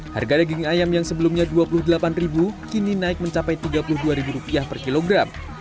harga daging ayam yang sebelumnya rp dua puluh delapan kini naik mencapai rp tiga puluh dua per kilogram